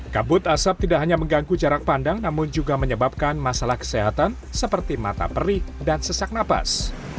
kabut asap tidak hanya mengganggu jarak pandang namun juga menyebabkan masalah kesehatan seperti mata perih dan sesak napas